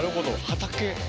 畑。